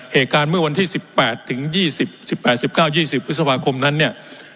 เหตุการณ์เมื่อวันที่สิบแปดถึงยี่สิบสิบแปดสิบเก้ายี่สิบวิสุภาคมนั้นเนี้ย